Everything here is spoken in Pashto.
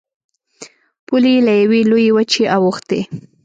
پولې یې له یوې لویې وچې اوښتې.